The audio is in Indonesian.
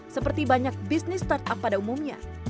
seperti banyak bisnis startup pada umumnya